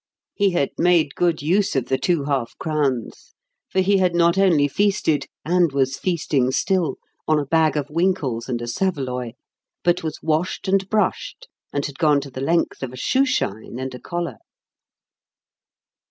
He had made good use of the two half crowns, for he had not only feasted and was feasting still: on a bag of winkles and a saveloy but was washed and brushed and had gone to the length of a shoe shine and a collar.